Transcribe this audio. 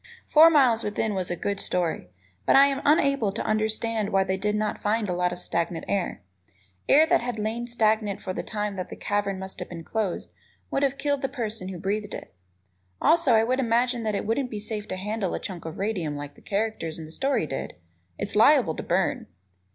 "Four Miles Within" was a good story, but I am unable to understand why they did not find a lot of stagnant air. Air that had lain stagnant for the time that cavern must have been closed would have killed the person who breathed it. Also, I would imagine that it wouldn't be safe to handle a chunk of radium like the characters in the story did; it's liable to burn.